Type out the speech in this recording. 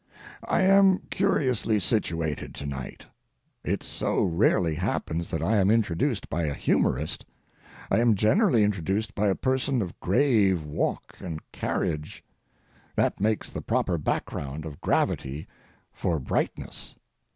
I am curiously situated to night. It so rarely happens that I am introduced by a humorist; I am generally introduced by a person of grave walk and carriage. That makes the proper background of gravity for brightness.